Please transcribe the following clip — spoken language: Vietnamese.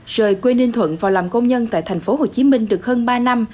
rời quê ninh thuận vào làm công nhân tại tp hcm được hơn ba năm